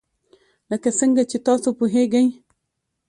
لکه څنګه چې تاسو پوهیږئ.